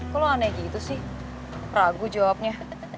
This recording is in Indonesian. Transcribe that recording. kok lo aneh gitu sih ragu jawabnya